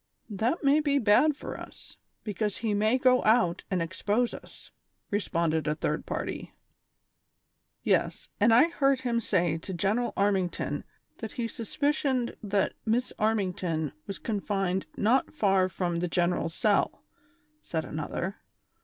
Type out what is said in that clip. " That may be bad for us, because he may go out and expose us," responded a third party. " Yes, and I heard him say to General Armington that 172 THE SOCIAL WAR OF 1900; OR, he suspicioned that Miss Armington was confined not far from tlie general's cell," said another.